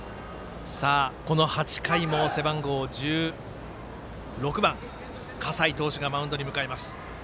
この８回も、背番号１６番葛西投手がマウンドに向かいます。